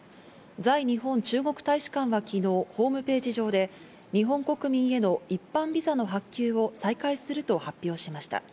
在日本中国大使館は昨日、ホームページ上で日本国民への一般ビザの発給を再開すると発表しました。